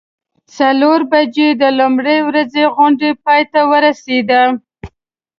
څلور بجې د لومړۍ ورځې غونډه پای ته ورسیده.